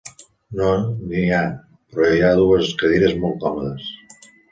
No n'hi ha, però hi ha dues cadires molt còmodes.